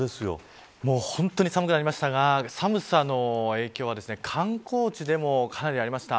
本当に寒くなりましたが寒さの影響は観光地でもかなりありました。